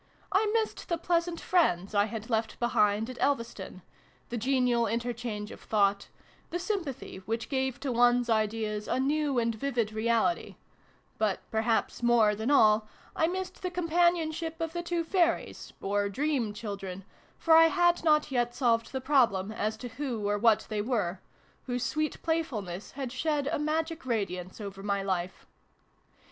I missed . the pleasant friends I had left behind at Elveston the genial inter change of thought the sympathy which gave to one's ideas a new and vivid reality : but, perhaps more than all, I missed the companion ship of the two Fairies or Dream Children, for I had not yet solved the problem as to who or what they were whose sweet playful ness had shed a magic radiance over my life.